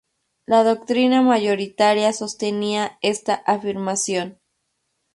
La doctrina mayoritaria sostenía esta afirmación.